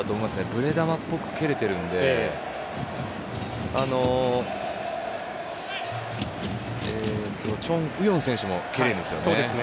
ブレ球っぽく蹴れているのでチョン・ウヨン選手も蹴れるんですよね。